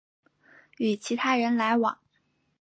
与其他人来往